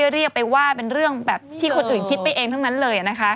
เรียกไปว่าเป็นเรื่องแบบที่คนอื่นคิดไปเองทั้งนั้นเลย